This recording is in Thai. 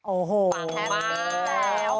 โอ้โหแฮปปี้แล้ว